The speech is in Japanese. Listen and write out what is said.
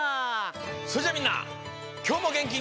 それじゃみんなきょうもげんきに。